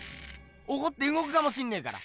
おこってうごくかもしんねえから。